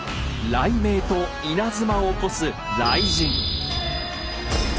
雷鳴と稲妻を起こす